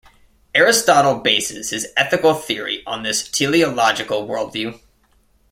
Aristotle bases his ethical theory on this teleological worldview.